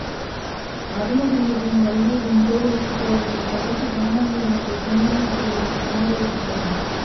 அருணகிரியையும், வள்ளியையும் கோயிலுக்குக் போவதும், கடைக்குச் சாமான்கள் வாங்க துணையாகப் போவதும் குமரேசன்தான்.